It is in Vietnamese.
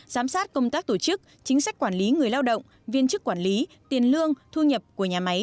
giám sát công tác tổ chức chính sách quản lý người lao động viên chức quản lý tiền lương thu nhập của nhà máy